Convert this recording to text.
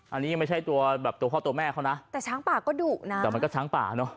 อันนี้ไม่ใช่ตัวแบบตัวพ่อตัวแม่เขานะแต่ช้างป่าก็ดุนะแต่มันก็ช้างป่าเนอะ